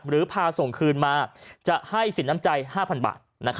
พาส่งคืนมาจะให้สินน้ำใจ๕๐๐บาท